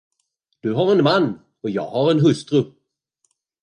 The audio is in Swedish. Du har en man, och jag har en hustru.